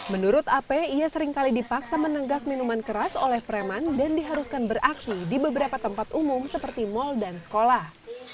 menurut ap ia seringkali dipaksa menenggak minuman keras oleh preman dan diharuskan beraksi di beberapa tempat umum seperti mal dan sekolah